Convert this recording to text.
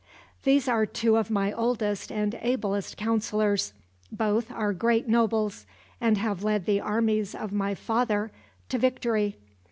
These are two of my oldest and ablest counselors both are great nobles, and have led the armies of my father to victory.